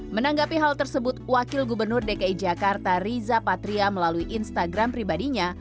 menanggapi hal tersebut wakil gubernur dki jakarta riza patria melalui instagram pribadinya